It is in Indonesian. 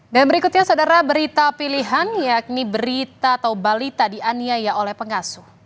dan berikutnya saudara berita pilihan yakni berita atau balita dianiaya oleh pengasuh